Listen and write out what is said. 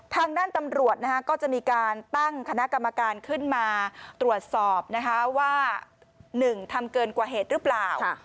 ทางด้านตำรวจก็จะมีการตั้งคณะกรรมการขึ้นมาตรวจสอบนะคะว่า๑ทำเกินกว่าเหตุหรือเปล่า